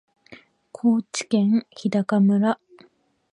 高知県日高村